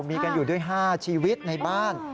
มีกันอยู่ด้วย๕ชีวิตในบ้าน